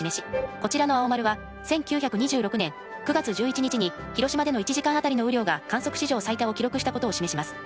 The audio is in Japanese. こちらの青丸は１９２６年９月１１日に広島での１時間あたりの雨量が観測史上最多を記録したことを示します。